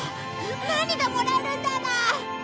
何がもらえるんだろう？